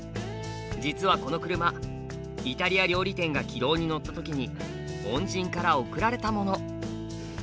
実はこの車イタリア料理店が軌道に乗った時に恩人から贈られたもの。